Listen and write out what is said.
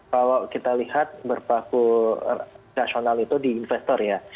kalau kita lihat berpaku nasional itu di investor ya